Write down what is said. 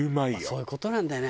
そういう事なんだよね。